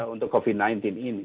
untuk covid sembilan belas ini